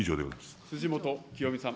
辻元清美さん。